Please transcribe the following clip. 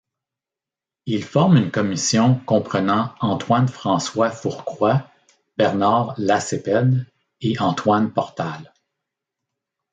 Il forme une commission comprenant Antoine-François Fourcroy, Bernard Lacépède et Antoine Portal.